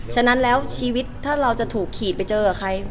ฉะนั้นแล้วชีวิตถ้าเราจะถูกขีดไปเจอกับใคร